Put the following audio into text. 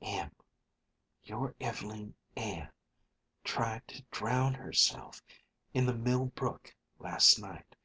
"Em your Ev'leen Ann tried to drown herself in the Mill Brook last night....